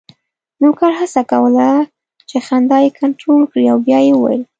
نوکر هڅه کوله چې خندا یې کنټرول کړي او بیا یې وویل: